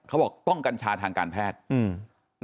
เขาบอกต้องกัญชาทางการแพทย์อืม